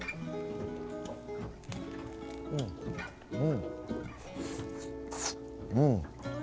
うんうん。